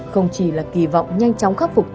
không chỉ là kỳ vọng nhanh chóng khắc phục tiêu hội